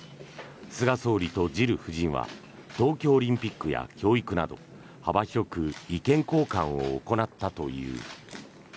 菅総理とジル夫人は東京オリンピックや教育など幅広く意見交換を行ったという。